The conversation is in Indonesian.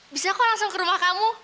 bisa kok langsung ke rumah kamu